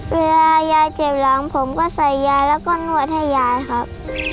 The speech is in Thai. เวลายายเจ็บหลังผมก็ใส่ยายแล้วก็นวดให้ยายครับ